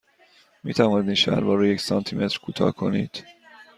می توانید این شلوار را یک سانتی متر کوتاه کنید؟